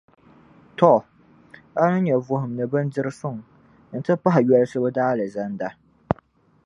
Tɔ! O ni nya vuhim ni bindirisuŋ, n-ti pahi yolsibu Daalizanda.